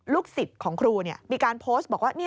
สิทธิ์ของครูมีการโพสต์บอกว่า